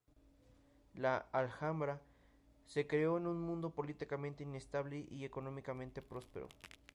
La Alhambra se creó en un mundo políticamente inestable y económicamente próspero.